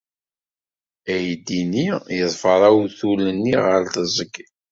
Aydi-nni yeḍfer awtul-nni ɣer teẓgi.